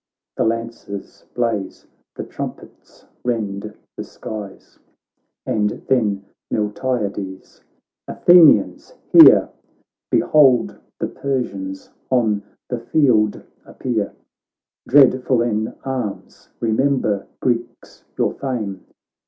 The lances blaze, the trumpets rend the skies. And then Miltiades ; 'Athenians, hear. Behold the Persians on the field appear, Dreadful in arms ; remember, Greeks, your fame.